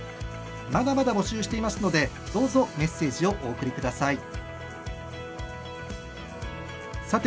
まだまだ募集していますのでどうぞメッセージをお送りください。